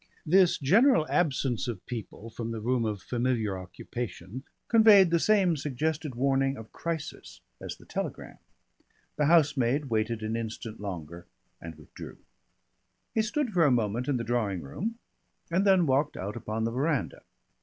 This general absence of people from the room of familiar occupation conveyed the same suggested warning of crisis as the telegram. The housemaid waited an instant longer and withdrew. He stood for a moment in the drawing room and then walked out upon the veranda.